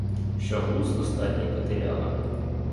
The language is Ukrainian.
Що глузд остатній потеряла;